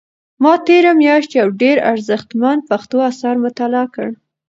ما تېره میاشت یو ډېر ارزښتمن پښتو اثر مطالعه کړ.